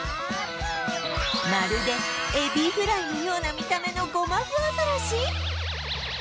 まるでエビフライのような見た目のゴマフアザラシ？